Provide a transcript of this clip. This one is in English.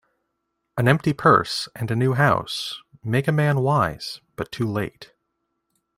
An empty purse, and a new house, make a man wise, but too late.